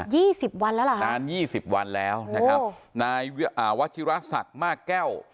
สิบวันแล้วล่ะนานยี่สิบวันแล้วนะครับนายอ่าวัชิราศักดิ์มากแก้ว